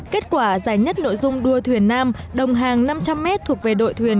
kết quả giải nhất nội dung đua thuyền nam đồng hàng năm trăm linh m thuộc về đội thuyền